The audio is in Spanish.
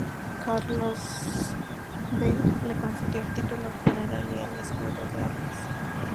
Carlos V le concedió el título de general y el escudo de armas.